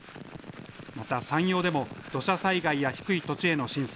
また山陽でも土砂災害や低い土地への浸水